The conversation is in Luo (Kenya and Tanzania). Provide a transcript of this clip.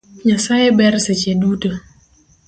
Nyasaye ber seche duto